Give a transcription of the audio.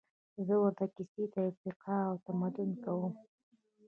زهٔ ورته کیسې د ارتقا او تمدن کوم